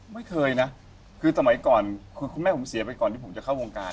ไม่เคยนะคือสมัยก่อนคือคุณแม่ผมเสียไปก่อนที่ผมจะเข้าวงการ